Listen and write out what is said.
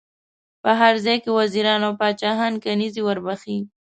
په هر ځای کې وزیران او پاچاهان کنیزي ور بخښي.